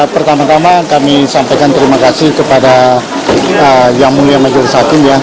pertama tama kami sampaikan terima kasih kepada yang mulia majelis hakim